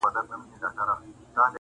خـود پسنده، سربلنده، شکرخنده، لب شکره